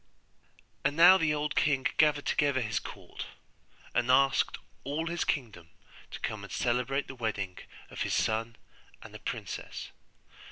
And now the old king gathered together his court, and asked all his kingdom to come and celebrate the wedding of his son and the princess.